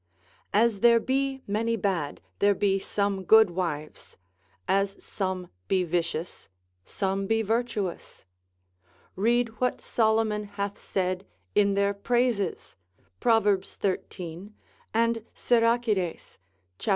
As there be many bad, there be some good wives; as some be vicious, some be virtuous. Read what Solomon hath said in their praises, Prov. xiii. and Siracides, cap.